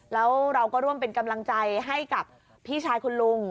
แล้วเราก็ร่วมเป็นกำลังใจให้กับพี่ชายคุณลุง